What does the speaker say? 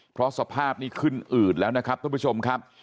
เพราะสภาพนี้ขึ้นอืดแล้วนะครับท่านผู้ชมครับ